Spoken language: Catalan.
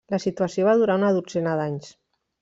La situació va durar una dotzena d'anys.